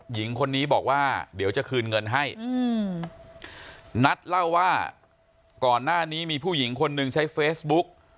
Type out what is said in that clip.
หญิงคนนี้บอกว่าเดี๋ยวจะคืนเงินให้นัทเล่าว่าก่อนหน้านี้มีผู้หญิงคนหนึ่งใช้เฟซบุ๊ก